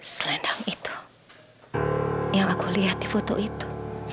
selendang itu yang aku lihat di foto itu